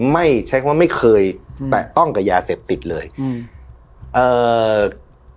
ไม่ใช้คำว่าไม่เคยอืมแตะต้องกับยาเสพติดเลยอืมเอ่อ